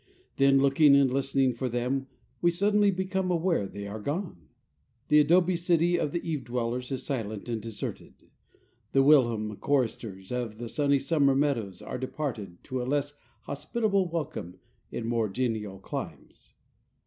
Then, looking and listening for them, we suddenly become aware they are gone; the adobe city of the eave dwellers is silent and deserted; the whilom choristers of the sunny summer meadows are departed to a less hospitable welcome in more genial climes.